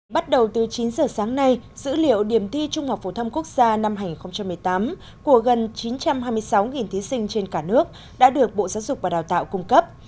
bắt đầu từ chín giờ sáng nay dữ liệu điểm thi trung học phổ thông quốc gia năm hai nghìn một mươi tám của gần chín trăm hai mươi sáu thí sinh trên cả nước đã được bộ giáo dục và đào tạo cung cấp